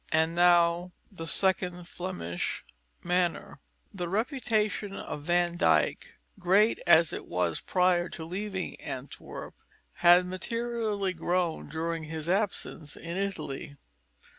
III THE SECOND FLEMISH MANNER The reputation of Van Dyck, great as it was prior to leaving Antwerp, had materially grown during his absence in Italy.